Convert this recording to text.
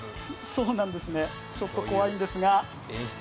ちょっと怖いんですが。